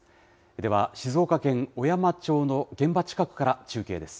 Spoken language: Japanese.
では静岡県小山町の現場近くから中継です。